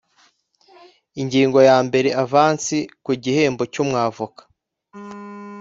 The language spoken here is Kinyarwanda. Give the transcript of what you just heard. Ingingo ya mbere Avansi ku gihembo cy umwavoka